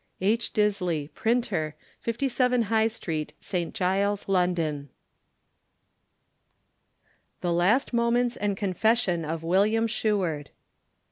H. Disley, Printer, 57, High Street, St. Giles, London. The Last Moments and Confession OF WM. SHEWARD.